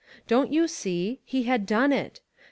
Don't you see? He had done it.